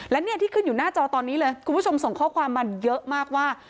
และเนี่ยที่ขึ้นอยู่หน้าจอตอนนี้เลยคุณผู้ชมส่งข้อความมาเยอะมากว่า